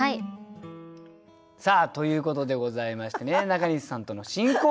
さあということでございましてね中西さんとの新コーナー。